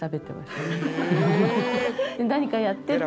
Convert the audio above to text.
「何かやって」